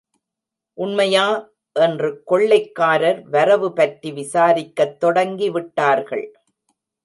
உண்மையா? என்று கொள்ளைக் காரர் வரவு பற்றி விசாரிக்கத் தொடங்கிவிட்டார்கள்.